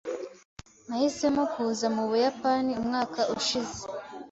Nahisemo kuza mu Buyapani umwaka ushize.